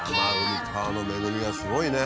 山海川の恵みがすごいね。